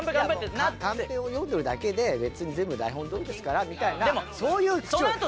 「カンペを読んでるだけで別に全部台本どおりですから」みたいなそういう口調。